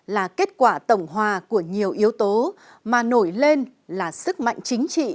là kết quả tổng hòa của nhiều yếu tố mà nổi lên là sức mạnh chính trị